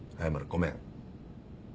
ごめん。